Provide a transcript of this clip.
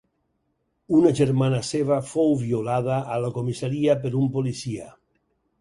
Una germana seva fou violada a la comissaria per un policia.